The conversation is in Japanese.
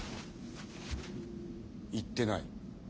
言ってない。